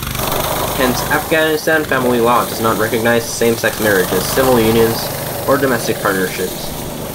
Hence, Afghanistan family law does not recognize same-sex marriages, civil unions or domestic partnerships.